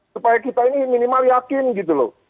supaya kita ini minimal yakin gitu loh